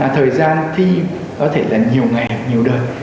thời gian thi có thể là nhiều ngày nhiều đợt